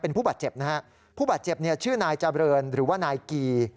เป็นผู้บาดเจ็บนะฮะผู้บาดเจ็บชื่อนายจาเบิร์นหรือว่านายกี่